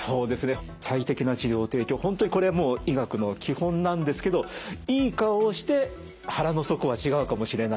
本当にこれは医学の基本なんですけどいい顔をして腹の底は違うかもしれないと。